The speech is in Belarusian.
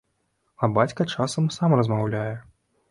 А бацька часам і сам размаўляе.